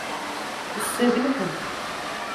Assa d lḥedd.